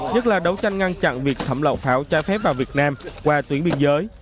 nhất là đấu tranh ngăn chặn việc thẩm lậu pháo trái phép vào việt nam qua tuyến biên giới